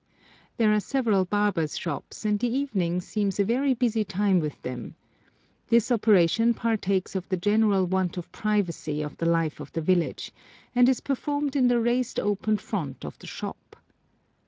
There are several barbers' shops, and the evening seems a very busy time with them. This operation partakes of the general want of privacy of the life of the village, and is performed in the raised open front of the shop.